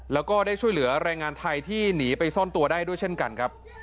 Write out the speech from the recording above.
แล้วก็ได้ช่วยเหลือแรงงานไทยที่หนีไปซ่อนตัวได้ด้วยเช่นกันครับ